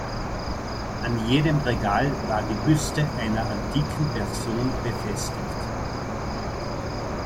An jedem Regal war die Büste einer antiken Person befestigt.